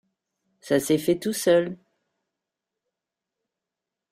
ça s'est fait tout seul.